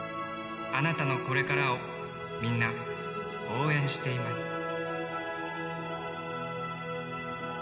あなたのこれからをみんな応援しています